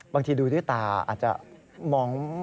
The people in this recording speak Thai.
บางทีดูด้วยตาอาจจะมอง